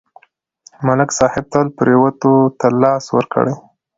ملک صاحب تل پرېوتو ته لاس ورکړی.